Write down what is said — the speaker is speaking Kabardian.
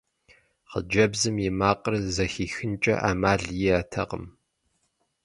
Хъыджэбзым и макъыр зэхихынкӀэ Ӏэмал иӀэтэкъым.